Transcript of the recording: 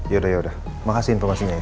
yaudah yaudah makasih informasinya